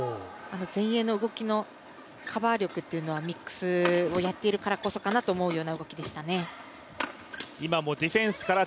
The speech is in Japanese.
前衛の動きのカバー力というのはミックスをやっているからこそかなと思うような動きでしたね。